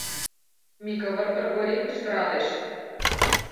— Микывыр Кргори кычкыралеш.